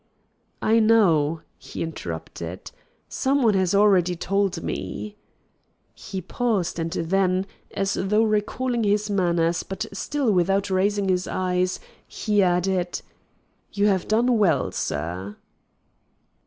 "I know," he interrupted. "Some one has already told me." He paused, and then, as though recalling his manners, but still without raising his eyes, he added: "You have done well, sir."